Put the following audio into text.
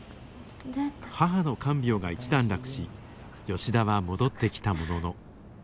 母の看病が一段落し吉田は戻ってきたものの。